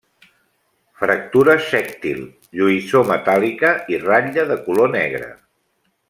Fractura sèctil, lluïssor metàl·lica i ratlla de color negre.